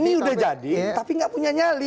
ini udah jadi tapi nggak punya nyali